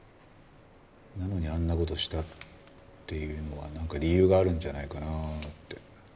なのにあんな事したっていうのはなんか理由があるんじゃないかなって。